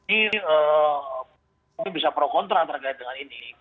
ini bisa pro kontra terkait dengan ini